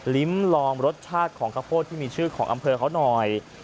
ลองรสชาติของข้าวโพดที่มีชื่อของอำเภอเขาหน่อย